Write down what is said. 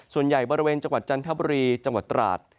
ส่วนใหญ่บริเวณจังหวัดจันทบุรีจังหวัดตราด